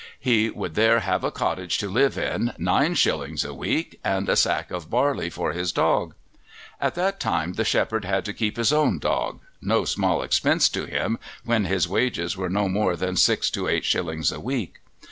He would there have a cottage to live in, nine shillings a week, and a sack of barley for his dog. At that time the shepherd had to keep his own dog no small expense to him when his wages were no more than six to eight shillings a week.